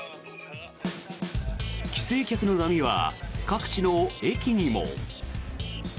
帰省客の波は各地の駅にも。